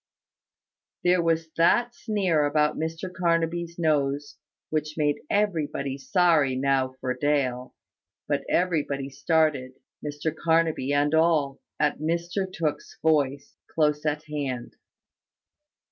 There was that sneer about Mr Carnaby's nose which made everybody sorry now for Dale: but everybody started, Mr Carnaby and all, at Mr Tooke's voice, close at hand.